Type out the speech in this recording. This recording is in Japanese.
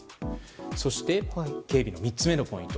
そして、警備の３つ目のポイント